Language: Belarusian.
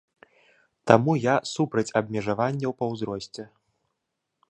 Таму я супраць абмежаванняў па ўзросце.